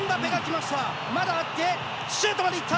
まだあってシュートまでいった！